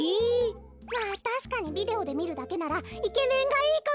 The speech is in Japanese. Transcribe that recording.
まあたしかにビデオでみるだけならイケメンがいいかも！